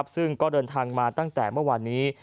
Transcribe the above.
ซึ่งก็เดินทางมาตั้งแต่เมื่อวานนี้